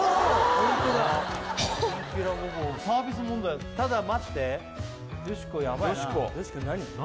ホントだきんぴらごぼうサービス問題だったただ待ってよしこヤバいなよしこ何？